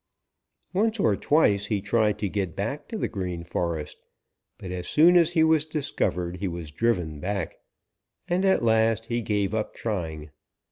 "Once or twice he tried to get back to the Green Forest, but as soon as he was discovered he was driven back, and at last he gave up trying.